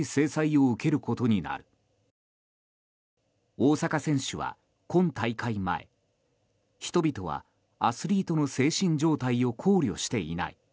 大坂選手は今大会前人々は、アスリートの精神状態を考慮していない。